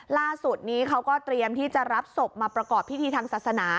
ล่าสุดนี้เขาก็เตรียมที่จะรับศพมาประกอบพิธีทางศาสนา